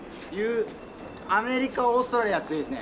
アメリカオーストラリア強いですね。